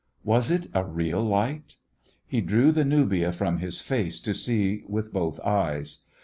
Was it a real light? He drew the nubia from his face to see with both eyes.